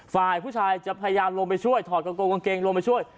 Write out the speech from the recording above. ฝ่ายผู้ชายจะพยายามลงไปช่วยถอดกางเกงลงไปช่วย